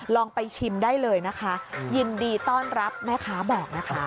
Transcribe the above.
ลองไปชิมได้เลยนะคะยินดีต้อนรับแม่ค้าบอกนะคะ